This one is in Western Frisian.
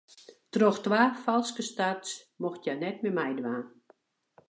Troch twa falske starts mocht hja net mear meidwaan.